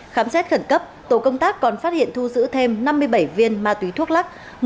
khám xét khẩn cấp tổ công tác còn phát hiện thu giữ thêm năm mươi bảy viên ma túy thuốc lắc